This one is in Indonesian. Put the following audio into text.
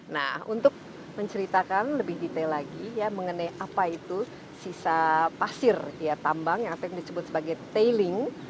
nah untuk menceritakan lebih detail lagi ya mengenai apa itu sisa pasir ya tambang yang disebut sebagai tailing